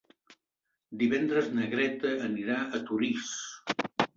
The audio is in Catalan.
Divendres na Greta anirà a Torís.